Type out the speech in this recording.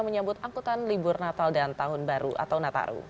menyambut angkutan libur natal dan tahun baru atau nataru